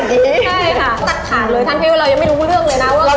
ก็ตัดผ่านเลยท่านเพียวเรายังไม่รู้เรื่องเลยนะ